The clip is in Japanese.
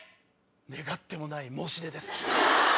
願ってもない申し出です。